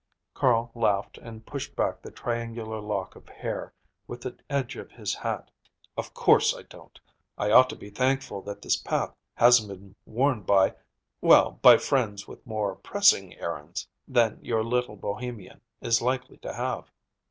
Carl laughed and pushed back the triangular lock of hair with the edge of his hat. "Of course I don't. I ought to be thankful that this path hasn't been worn by—well, by friends with more pressing errands than your little Bohemian is likely to have."